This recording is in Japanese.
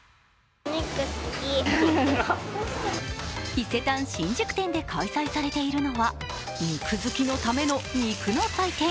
伊勢丹新宿店で開催されているのは肉好きのための肉の祭典。